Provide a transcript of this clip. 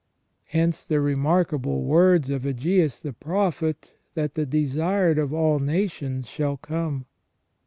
Hence the remarkable words of Aggeas the prophet, that " the desired of all nations shall come